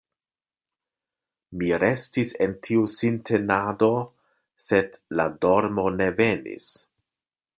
Mi restis en tiu sintenado, sed la dormo ne venis.